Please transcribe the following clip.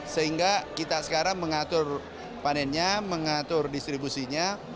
sehingga kita sekarang mengatur panennya mengatur distribusinya